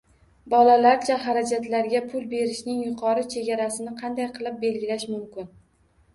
Bolalarcha xarajatlarga pul berishning yuqori chegarasini qanday qilib belgilash mumkin?